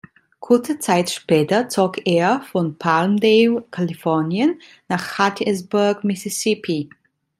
Kurze Zeit später zog er von Palmdale, Kalifornien, nach Hattiesburg, Mississippi.